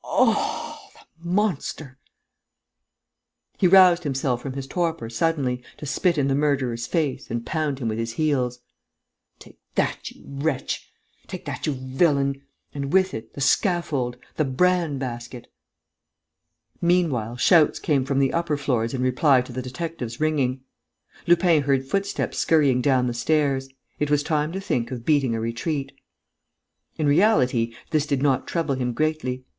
Oh, the monster!..." He roused himself from his torpor, suddenly, to spit in the murderer's face and pound him with his heels: "Take that, you wretch!... Take that, you villain!... And, with it, the scaffold, the bran basket!..." Meanwhile, shouts came from the upper floors in reply to the detectives' ringing. Lupin heard footsteps scurrying down the stairs. It was time to think of beating a retreat. In reality, this did not trouble him greatly.